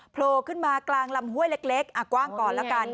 โผล่ขึ้นมากลางลำห้วยเล็กกว้างก่อนแล้วกัน